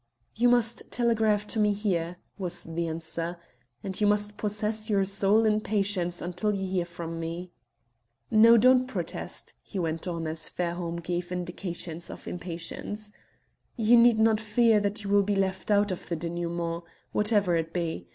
"You must telegraph to me here," was the answer, "and you must possess your soul in patience until you hear from me. "No, don't protest," he went on, as Fairholme gave indications of impatience. "You need not fear that you will be left out of the denouement, whatever it be.